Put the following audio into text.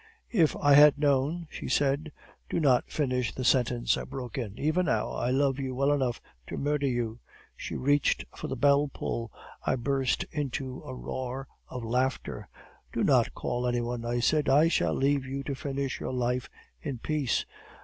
"'If I had known ' she said. "'Do not finish the sentence,' I broke in. 'Even now I love you well enough to murder you ' "She reached for the bell pull. I burst into a roar of laughter. "'Do not call any one,' I said. 'I shall leave you to finish your life in peace.